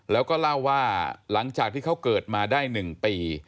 แล้วก็เล่าว่าหลังจากที่เขาเกิดมาได้๑ปี